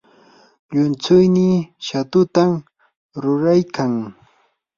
llumtsuynii shatutam ruraykan.